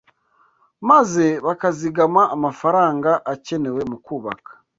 maze bakazigama amafaranga akenewe mu kubaka